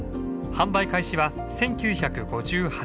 販売開始は１９５８年。